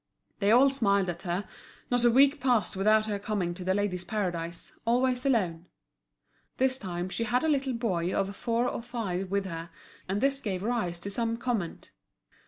They all smiled at her, not a week passed without her coming to The Ladies' Paradise, always alone. This time she had a little boy of four or five with her, and this gave rise to some comment.